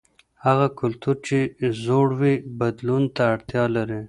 هغه کلتور چې زوړ وي بدلون ته اړتیا لري.